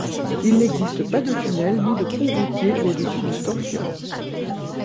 Il n'existe pas de tunnel ni de pont routier au-dessus du Storfjord.